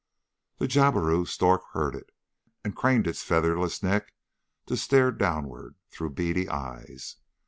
The jabiru stork heard it, and craned its featherless neck to stare downward through beady eyes.